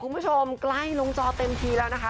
คุณผู้ชมใกล้ลงจอเต็มทีแล้วนะคะ